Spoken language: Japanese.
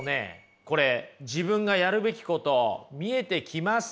これ自分がやるべきこと見えてきません？